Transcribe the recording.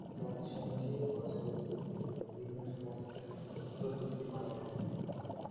জাতিসংঘে পর্যবেক্ষক এবং বিভিন্ন সংস্থায় প্রতিনিধি পাঠায়।